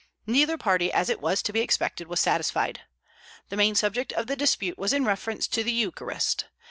Neither party, as it was to be expected, was satisfied. The main subject of the dispute was in reference to the Eucharist.